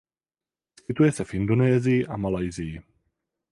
Vyskytuje se v Indonésii a Malajsii.